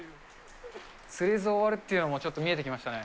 釣れず終わるっていうのも、ちょっと見えてきましたね。